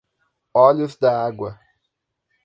Olhos-d'Água